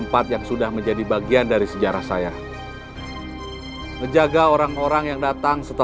apa yang kalian yang coba outuh aku